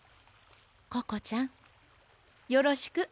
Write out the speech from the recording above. ココちゃんよろしく。